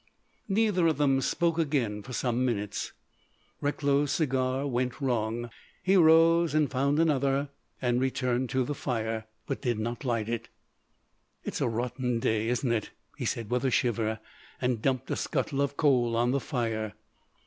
Neither of them spoke again for some minutes. Recklow's cigar went wrong; he rose and found another and returned to the fire, but did not light it. "It's a rotten day, isn't it?" he said with a shiver, and dumped a scuttle of coal on the fire.